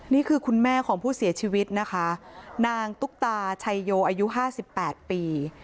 นี่คือคุณแม่ของผู้เสียชีวิตนะคะนางตุ๊กตาชัยโยอายุ๕๘ปี